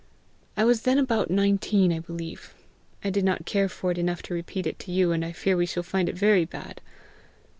I was then about nineteen, I believe. I did not care for it enough to repeat it to you, and I fear we shall find it very bad."